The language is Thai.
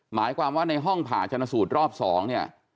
หมายความว่าในห้องผ่าชนสูตรรอบ๒เนี่ย